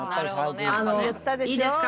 いいですか？